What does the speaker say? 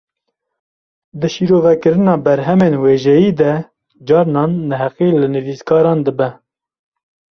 Di şîrovekirina berhemên wêjeyî de, carnan neheqî li nivîskaran dibe